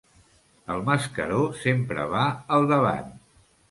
El mascaró sempre va al davant.